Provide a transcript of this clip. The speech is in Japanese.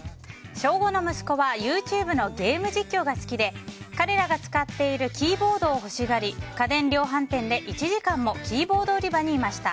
小５の息子はＹｏｕＴｕｂｅのゲーム実況が好きで彼らが使っているキーボードを欲しがり家電量販店で１時間もキーボード売り場にいました。